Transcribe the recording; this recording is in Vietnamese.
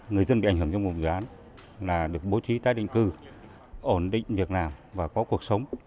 người dân bị ảnh hưởng trong một dự án là được bố trí tái định cư ổn định việc làm và có cuộc sống